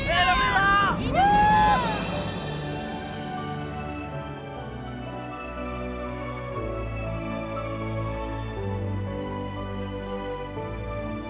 terima kasih tuhan